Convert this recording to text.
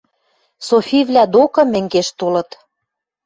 Софивлӓ докы мӹнгеш толыт.